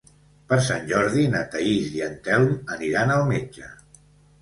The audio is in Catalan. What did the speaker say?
Per Sant Jordi na Thaís i en Telm aniran al metge.